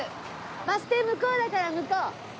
バス停向こうだから向こう。